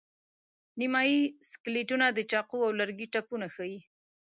نیمایي سکلیټونه د چاقو او لرګي ټپونه ښيي.